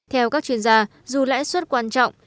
theo các chuyên gia dù lãi suất quan trọng